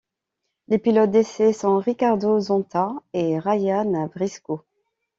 Les pilotes d'essais sont Ricardo Zonta et Ryan Briscoe.